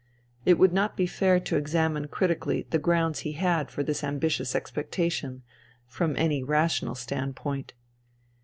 It would not be fair to examine critically the grounds INTERVENING IN SIBERIA 201 he had for this ambitious expectation, from any rational standpoint.